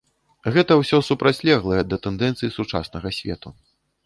Гэта ўсё супрацьлеглае да тэндэнцый сучаснага свету.